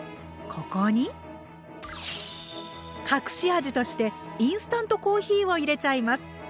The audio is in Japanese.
ここに隠し味としてインスタントコーヒーを入れちゃいます！